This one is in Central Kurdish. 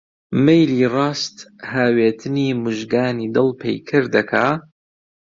مەیلی ڕاست هاوێتنی موژگانی دڵ پەیکەر دەکا؟!